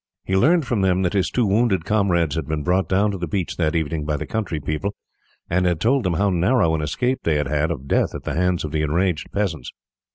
He learned from them that his two wounded comrades had been brought down to the beach that evening by the country people, and had told them how narrow an escape they had had of death at the hands of the enraged peasants.